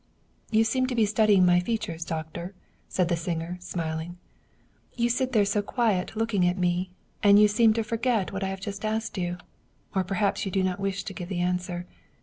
" You seem to be studying my features, doctor," said the singer, smiling. " You sit there so quiet looking at me, and you seem to forget what I have just asked you. Or perhaps you do not wish to give the answer.